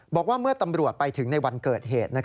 บอกว่าเมื่อตำรวจไปถึงในวันเกิดเหตุ